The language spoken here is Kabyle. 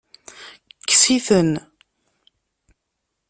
Kkes-iten.